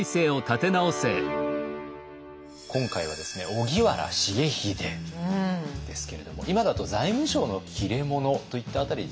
今回はですね荻原重秀ですけれども今だと財務省の切れ者といった辺りでしょうかね。